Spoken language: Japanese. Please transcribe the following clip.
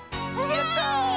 やった！